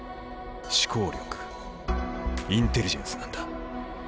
思考力インテリジェンスなんだ。